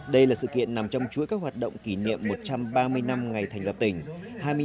đây là sự kiện nằm trong chuỗi các hoạt động kỷ niệm một trăm ba mươi năm ngày thành lập tỉnh